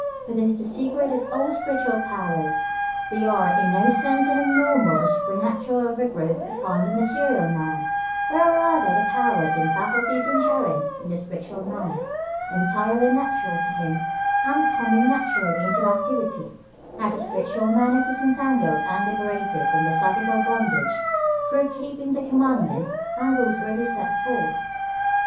For this is the secret of all spiritual powers: they are in no sense an abnormal or supernatural overgrowth upon the material man, but are rather the powers and faculties inherent in the spiritual man, entirely natural to him, and coming naturally into activity, as the spiritual man is disentangled and liberated from psychical bondage, through keeping the Commandments and Rules already set forth.